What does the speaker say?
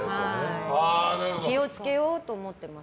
気を付けようと思ってます。